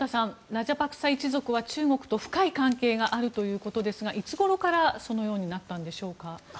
ラジャパクサ一族は中国と深い関係があるということですがいつごろからそのようになったのでしょうか。